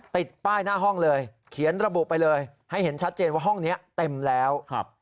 ติดป้ายหน้าห้องเลยเขียนระบุไปเลยให้เห็นชัดเจนว่าห้องนี้เต็มแล้ว